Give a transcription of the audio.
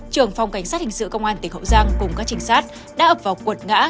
trưởng phòng cảnh sát hình sự công an tỉnh hậu giang cùng các trinh sát đã ập vào cuột ngã